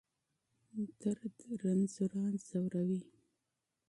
درد ناروغان ځوروي.